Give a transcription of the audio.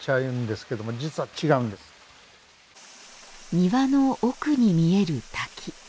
庭の奥に見える滝。